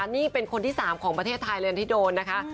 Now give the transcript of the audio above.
นี่เป็นคนที่๓ของประเทศไทยเลยที่โดนนะคะ